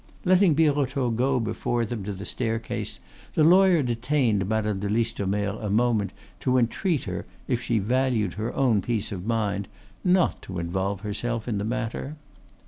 Letting Birotteau go before them to the staircase, the lawyer detained Madame de Listomere a moment to entreat her, if she valued her own peace of mind, not to involve herself in the matter.